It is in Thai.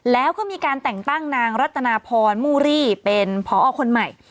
แล้วก็มีการแต่งตั้งนางรัตนาพรมูรี่เป็นพอคนใหม่